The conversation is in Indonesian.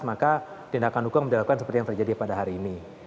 maka tindakan hukum dilakukan seperti yang terjadi pada hari ini